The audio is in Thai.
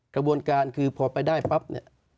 กระบวนการคือพอไปได้ปั๊บเนี่ย